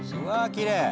きれい！